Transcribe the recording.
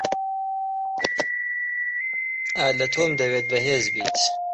لە تۆم دەوێت بەهێز بیت.